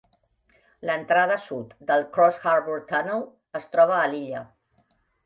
L'entrada sud del Cross-Harbour Tunnel es troba a l'illa.